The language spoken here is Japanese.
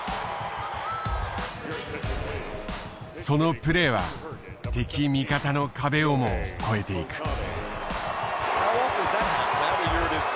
そのプレーは敵味方の壁をも超えていく。